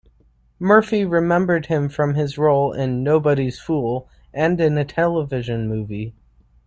Murphy remembered him from his role in "Nobody's Fool" and in a television movie.